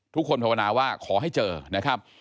ภาวนาว่าขอให้เจอนะครับ